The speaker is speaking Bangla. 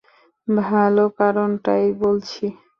ভালো কারণটাই বলছি।